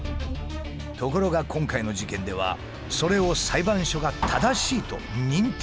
ところが今回の事件ではそれを裁判所が正しいと認定してしまったんです。